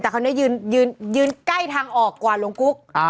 แต่เขาได้ยืนใกล้ทางออกกว่าหลงศักดิ์